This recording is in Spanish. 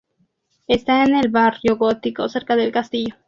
Está en el Barrio Gótico, cerca del castillo.